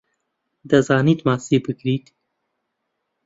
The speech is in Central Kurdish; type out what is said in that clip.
دەزانیت ماسی بگریت؟